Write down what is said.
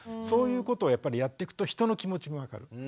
そういうことをやっぱりやっていくと人の気持ちも分かる。